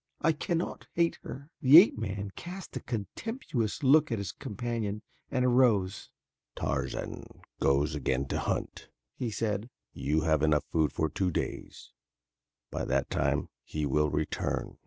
"I cannot hate her." The ape man cast a contemptuous look at his companion and arose. "Tarzan goes again to hunt," he said. "You have enough food for two days. By that time he will return."